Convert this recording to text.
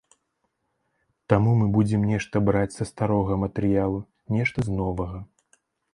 Таму мы будзем нешта браць са старога матэрыялу, нешта з новага.